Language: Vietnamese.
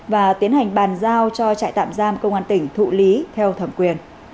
và tiến hành bàn giao cho trại tạm giam công an tỉnh thụ lý theo thẩm quyền